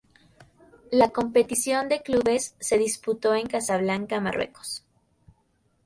La competición de clubes se disputó en Casablanca, Marruecos.